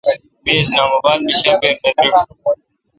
می اسلام اباد مے° شاپیر نہ دریݭ۔